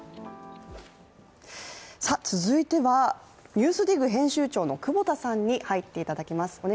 続いては、「ＮＥＷＳＤＩＧ」編集長の久保田さんに入っていただきます。